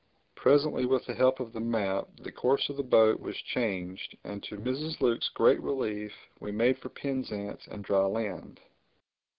Presently with the help of the map the course of the boat was changed and, to Mrs. Luke's great relief, we made for Penzance and dry land.